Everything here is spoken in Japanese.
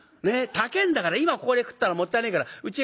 高えんだから今ここで食ったらもったいねえからうちへ」。